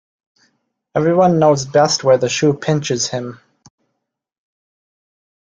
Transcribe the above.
Every one knows best where the shoe pinches him.